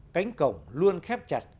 cánh cổng luôn khép chặt